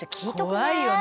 怖いよね